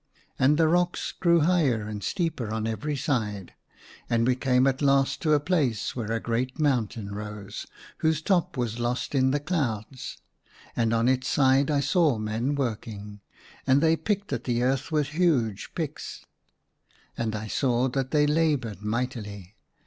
And the rocks grew higher and steeper on every sid^ ; and we came at last to a place where a great moun tain rose, whose top was lost in the clouds. And on its side I saw men working ; and they picked at the earth with huge picks ; and I saw that they laboured mightily.